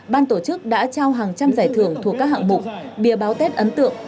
ban tổ chức đã trao hàng trăm giải thưởng thuộc các hạng bụng bìa báo tết ấn tượng